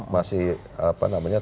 masih apa namanya